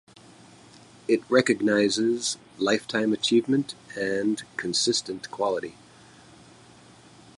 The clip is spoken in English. It recognizes lifetime achievement and consistent quality.